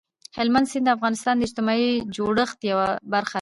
هلمند سیند د افغانستان د اجتماعي جوړښت یوه برخه ده.